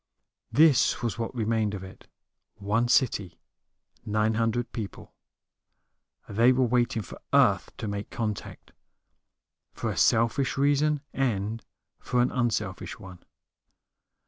This was what remained of it: one city, nine hundred people. They were waiting for Earth to make contact, for a selfish reason and for an unselfish one.